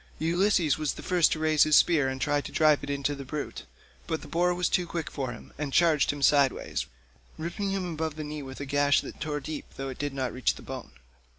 Ulysses was the first to raise his spear and try to drive it into the brute, but the boar was too quick for him, and charged him sideways, ripping him above the knee with a gash that tore deep though it did not reach the bone.